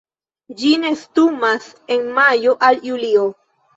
Ĝi nestumas en majo al julio.